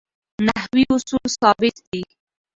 نحوي اصول ثابت دي.